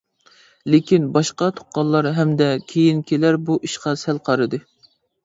لېكىن باشقا تۇغقانلار ھەمدە كېيىنكىلەر بۇ ئىشقا سەل قارىدى.